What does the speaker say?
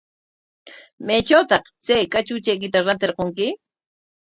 ¿Maytrawtaq chay kachuchaykita rantirqunki?